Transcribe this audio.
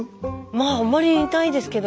まああまりいないですけど。